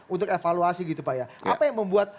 untuk evaluasi gitu pak ya apa yang membuat